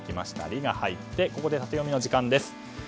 「リ」が入ってここでタテヨミの時間です。